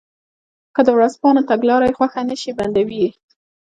که د ورځپاڼو تګلاره یې خوښه نه شي بندوي یې.